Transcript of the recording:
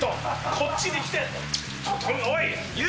こっちに来て、おい！